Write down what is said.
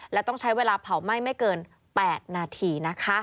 และต้องใช้เวลาเผาไหม้ไม่เกิน๘นาทีนะคะ